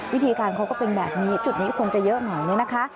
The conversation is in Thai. วิธีการเขาก็เป็นแบบนี้จุดนี้คนจะเยอะหน่อยเนี่ยนะคะ